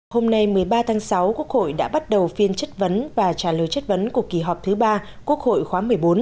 hôm nay một mươi ba tháng sáu quốc hội đã bắt đầu phiên chất vấn và trả lời chất vấn của kỳ họp thứ ba quốc hội khóa một mươi bốn